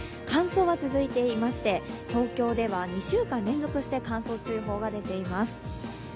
乾燥は続いていまして、東京では２週間連続して乾燥注意報が出ています。